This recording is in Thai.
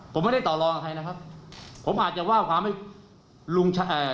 ผมไม่ได้ต่อรองกับใครนะครับผมอาจจะว่าความให้ลุงอ่า